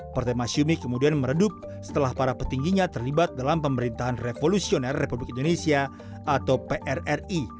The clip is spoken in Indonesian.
partai masyumi kemudian meredup setelah para petingginya terlibat dalam pemerintahan revolusioner republik indonesia atau prri